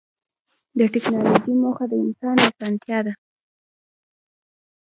د ټکنالوجۍ موخه د انسان اسانتیا ده.